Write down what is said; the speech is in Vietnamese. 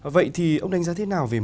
vậy thì ông đánh giá thế nào về mô hình